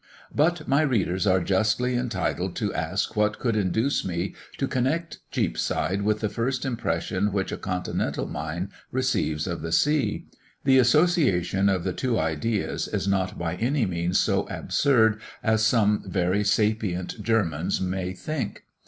But my readers are justly entitled to ask what could induce me to connect Cheapside with the first impressions which a continental mind receives of the sea. The association of the two ideas is not by any means so absurd as some very sapient Germans may think.